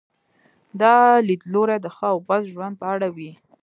دا لیدلوری د ښه او بد ژوند په اړه وي.